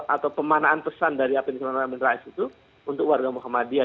atau pemanaan pesan dari amin rais itu untuk warga muhammadiyah